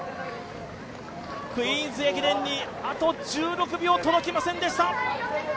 「クイーンズ駅伝」にあと１６秒届きませんでした。